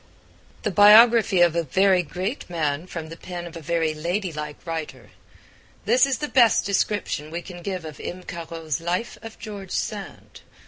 The biography of a very great man from the pen of a very ladylike writer this is the best description we can give of M. Caro's Life of George Sand.